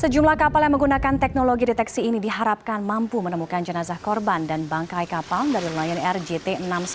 sejumlah kapal yang menggunakan teknologi deteksi ini diharapkan mampu menemukan jenazah korban dan bangkai kapal dari lion air jt enam ratus sepuluh